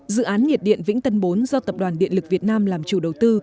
dự án nhiệt điện vĩnh tân bốn do tập đoàn điện lực việt nam làm chủ đầu tư